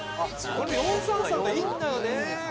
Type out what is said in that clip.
「この４−３−３がいいんだよね！」